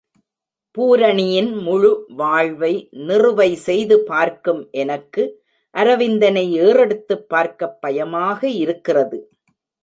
பூரணியின் முழு வாழ்வை நிறுவை செய்து பார்க்கும் எனக்கு அரவிந்தனை ஏறெடுத்துப் பார்க்கப் பயமாக இருக்கிறது.